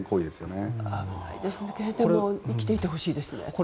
でも生きていてほしいですね。